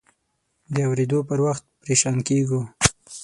د اورېدو پر وخت پریشان کېږو.